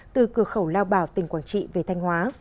từ cửa khẩu lao bảo tỉnh quảng trị về thanh hóa